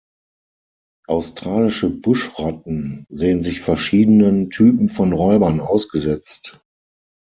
Australische Buschratten sehen sich verschiedenen Typen von Räubern ausgesetzt.